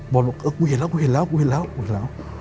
บ่นว่ากูเห็นแล้วกูเห็นแล้วกูเห็นแล้ว